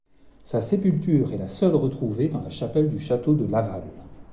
Sa sépulture est la seule retrouvée dans la chapelle du Château de Laval.